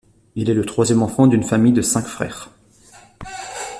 Il est le troisième enfant d´une famille de cinq frères.